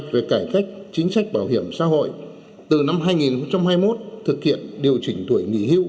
về cải cách chính sách bảo hiểm xã hội từ năm hai nghìn hai mươi một thực hiện điều chỉnh tuổi nghỉ hưu